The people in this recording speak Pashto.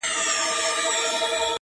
ما وعده د بل دیدار درنه غوښتلای.!